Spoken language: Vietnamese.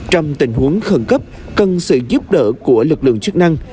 trong tình huống khẩn cấp cần sự giúp đỡ của lực lượng chức năng